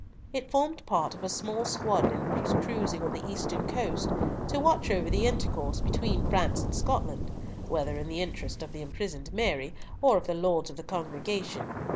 It formed part of a small squadron which was cruising on the eastern coast to watch over the intercourse between France and Scotland, whether in the interest of the imprisoned Mary, or of the Lords of the Congregation.